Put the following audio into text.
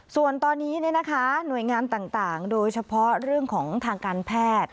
ส่วนตอนนี้หน่วยงานต่างโดยเฉพาะเรื่องของทางการแพทย์